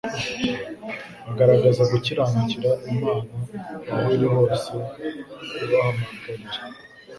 bagaragaza gukiranukira Imana aho ariho hose ibahamagarira.